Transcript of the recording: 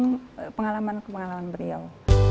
dan juga pengalaman pengalaman beliau